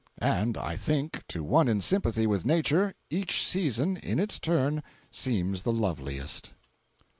And I think that to one in sympathy with nature, each season, in its turn, seems the loveliest.